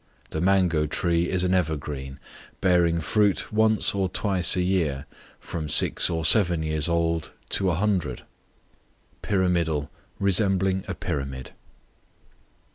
The mango tree is an evergreen, bearing fruit once or twice a year, from six or seven years old to a hundred. Pyramidal, resembling a pyramid.